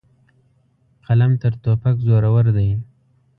قلم تر توپک زورور دی.